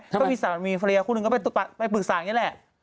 ก็มีสาหารมีฟรียาพรีแคร์คู่หนึ่งไปปรึกษาแบบนี้แหละ